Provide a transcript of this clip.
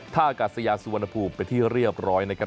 ท่ากาศยาสุวรรณภูมิเป็นที่เรียบร้อยนะครับ